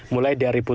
mulai dari putus